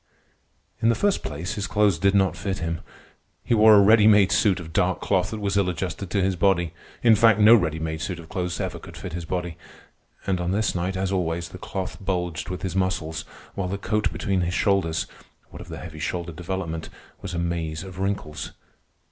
In the first place, his clothes did not fit him. He wore a ready made suit of dark cloth that was ill adjusted to his body. In fact, no ready made suit of clothes ever could fit his body. And on this night, as always, the cloth bulged with his muscles, while the coat between the shoulders, what of the heavy shoulder development, was a maze of wrinkles.